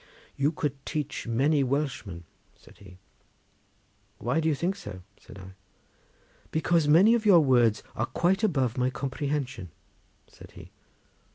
"You could teach many a Welshman," said he. "Why do you think so?" said I. "Because many of your words are quite above my comprehension," said he.